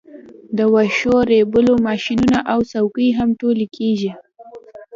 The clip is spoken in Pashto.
د واښو ریبلو ماشینونه او څوکۍ هم ټولې کیږي